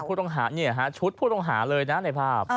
ผู้ต้องหาชุดผู้ต้องหาเลยนะในภาพ